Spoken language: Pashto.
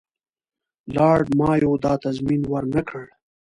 لارډ مایو دا تضمین ورنه کړ.